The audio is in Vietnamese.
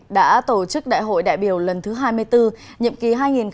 đã tổ chức đại hội đại biểu lần thứ hai mươi bốn nhiệm ký hai nghìn hai mươi hai nghìn hai mươi năm